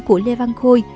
của lê văn khôi